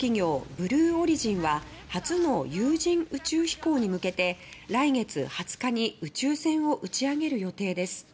ブルーオリジンは初の有人宇宙飛行に向けて来月２０日に宇宙船を打ち上げる予定です。